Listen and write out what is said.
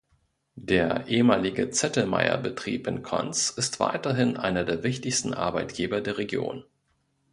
Der ehemalige Zettelmeyer-Betrieb in Konz ist weiterhin einer der wichtigsten Arbeitgeber der Region.